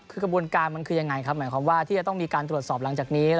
คือกระบวนการมันคือยังไงครับหมายความว่าที่จะต้องมีการตรวจสอบหลังจากนี้